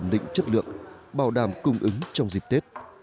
định chất lượng bảo đảm cung ứng trong dịp tết